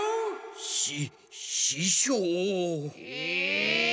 しししょう⁉ええ！